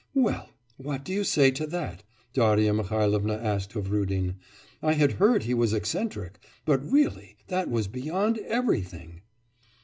'Well, what do you say to that?' Darya Mihailovna asked of Rudin. 'I had heard he was eccentric, but really that was beyond everything!